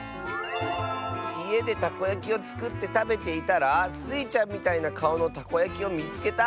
「いえでたこやきをつくってたべていたらスイちゃんみたいなかおのたこやきをみつけた！」。